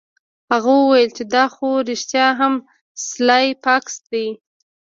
هغه وویل چې دا خو رښتیا هم سلای فاکس دی